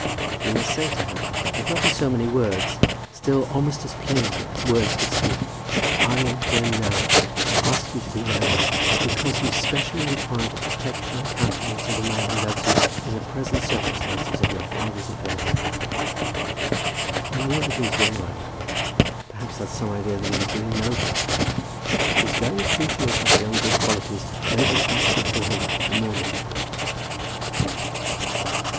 He must say to her, if not in so many words, still almost as plainly as words could speak, I am here now to ask you to be my wife, because you specially require the protection and countenance of the man who loves you, in the present circumstances of your father's affairs. He knew that he was doing right; perhaps had some idea that he was doing nobly; but this very appreciation of his own good qualities made the task before him the more difficult.